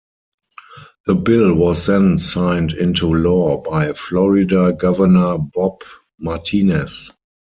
The bill was then signed into law by Florida Governor Bob Martinez.